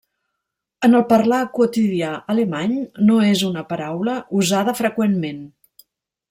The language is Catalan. En el parlar quotidià alemany, no és una paraula usada freqüentment.